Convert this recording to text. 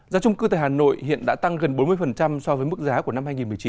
giá trung cư tại hà nội hiện đã tăng gần bốn mươi so với mức giá của năm hai nghìn một mươi chín